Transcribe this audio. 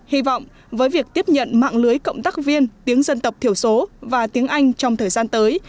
hy vọng với việc tiếp nhận mạng lưới cộng tác viên tiếng dân tộc thiểu số và tiếng anh trong thời gian tới